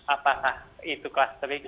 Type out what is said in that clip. apakah itu clustering